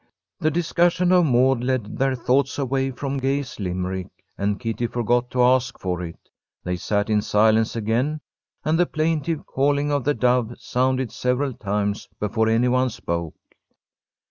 The discussion of Maud led their thoughts away from Gay's Limerick, and Kitty forgot to ask for it. They sat in silence again, and the plaintive calling of the dove sounded several times before any one spoke.